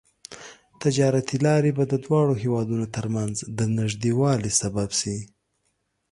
تجارتي لارې به د دواړو هېوادونو ترمنځ د نږدیوالي سبب شي.